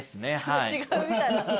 違うみたい。